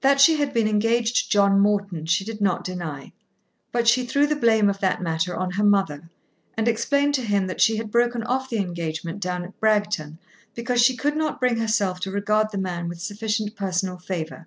That she had been engaged to John Morton she did not deny; but she threw the blame of that matter on her mother, and explained to him that she had broken off the engagement down at Bragton, because she could not bring herself to regard the man with sufficient personal favour.